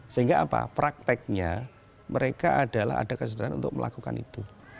sehingga apa prakteknya mereka adalah ada kesedaran untuk melakukan itu